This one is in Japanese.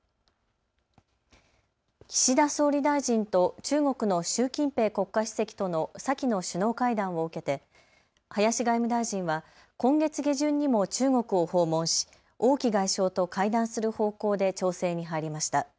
岸田総理大臣と中国の習近平国家主席との先の首脳会談を受けて林外務大臣は今月下旬にも中国を訪問し王毅外相と会談する方向で調整に入りました。